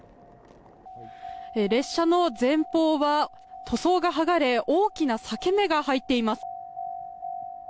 列車の前方は塗装が剥がれ大きな裂け目が入っています。